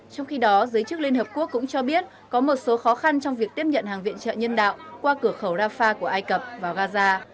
trong khi đó giới chức liên hợp quốc cũng cho biết có một số khó khăn trong việc tiếp nhận hàng viện trợ nhân đạo qua cửa khẩu rafah của ai cập vào gaza